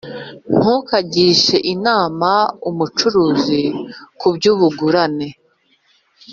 ntukagishe inama umucuruzi ku by’ubugurane,